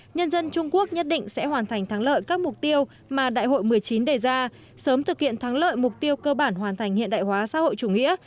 nhân dân trung quốc nhất định sẽ hoàn thành thắng lợi các mục tiêu mà đại hội một mươi chín đề ra sớm thực hiện thắng lợi mục tiêu cơ bản hoàn thành hiện đại hóa xã hội chủ nghĩa